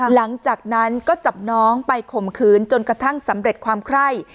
หลังจากนั้นก็จับน้องไปข่มขืนจนกระทั่งสำเร็จความไคร่